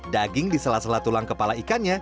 daging di sela sela tulang kepala ikannya